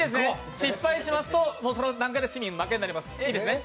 失敗しますと、その段階で市民は負けになります。